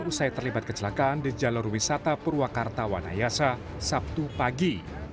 usai terlibat kecelakaan di jalur wisata purwakarta wanayasa sabtu pagi